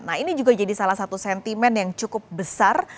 nah ini juga jadi salah satu sentimen yang cukup besar